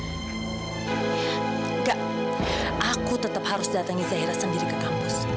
enggak aku tetap harus datangi zaira sendiri ke kampus